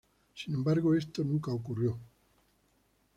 Sin embargo, esto nunca ocurrió.